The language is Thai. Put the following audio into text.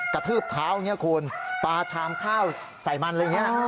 ทืบเท้าอย่างนี้คุณปลาชามข้าวใส่มันอะไรอย่างนี้